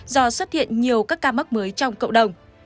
do xuất hiện nhiều các ca mắc mới trong cộng đồng